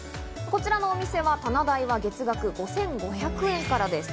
こちらのお店は棚代は月額５５００円からです。